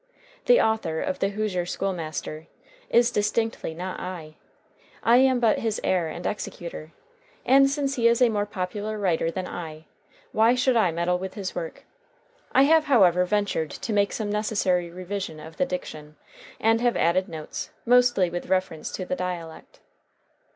The author of "The Hoosier School Master" is distinctly not I; I am but his heir and executor; and since he is a more popular writer than I, why should I meddle with his work? I have, however, ventured to make some necessary revision of the diction, and have added notes, mostly with reference to the dialect.